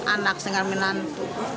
anak dengan menantu